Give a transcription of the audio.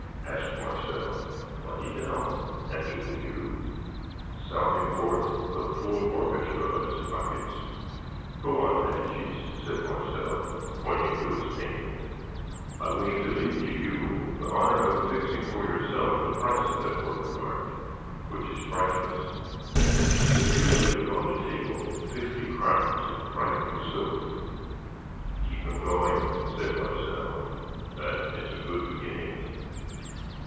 asked Marcel. "Money down," answered the Jew, sounding forth the full orchestra of his pockets. "Go on, Medicis," said Marcel, pointing to his painting. "I wish to leave to you the honor of fixing for yourself the price of that work of art which is priceless." The Jew laid Upon the table fifty crowns in bright new silver. "Keep them going," said Marcel; "that is a good beginning."